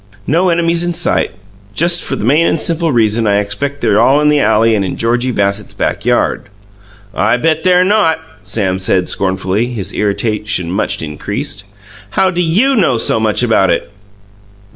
"No enemies in sight just for the main and simple reason I expect they're all in the alley and in Georgie Bassett's backyard." "I bet they're not!" Sam said scornfully, his irritation much increased. "How do YOU know so much about it?"